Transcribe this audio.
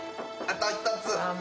あと１つ。